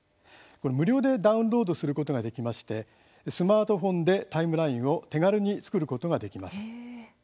無料でダウンロードすることができましてスマートフォンでタイムラインを手軽に作ることができます。